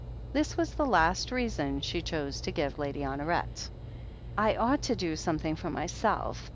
This last was the reason she chose to give Lady Honoret : "I ought to do something for myself.